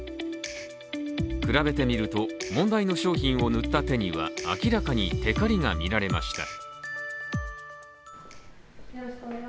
比べてみると問題の商品を塗った手には明らかに、てかりがみられました。